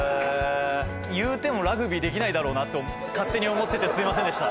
言うてもラグビーできないだろうなと勝手に思っててすみませんでした。